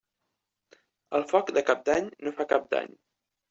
El foc de Cap d'Any no fa cap dany.